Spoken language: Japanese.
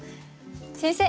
先生